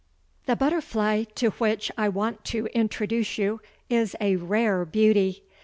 The butterfly to which I want to introduce you is a rare beauty!